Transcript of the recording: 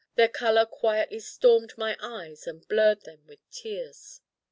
Their color quietly stormed my eyes and blurred them with tears.